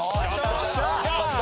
よっしゃー！